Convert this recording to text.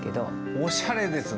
おしゃれですね。